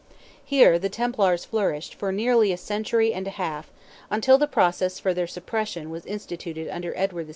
Here, the Templars flourished, for nearly a century and a half, until the process for their suppression was instituted under Edward II.